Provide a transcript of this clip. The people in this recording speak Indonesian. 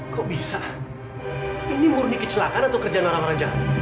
kok bisa ini murni kecelakaan atau kerjaan ramaran jahat